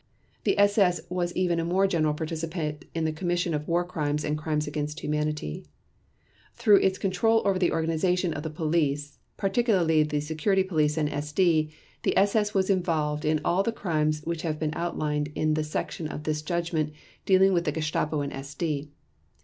The SS was even a more general participant in the commission of War Crimes and Crimes against Humanity. Through its control over the organization of the Police, particularly the Security Police and SD, the SS was involved in all the crimes which have been outlined in the section of this Judgment dealing with the Gestapo and SD.